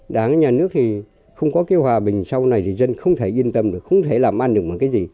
đảng nhà nước thì không có cái hòa bình sau này thì dân không thể yên tâm được không thể làm ăn được một cái gì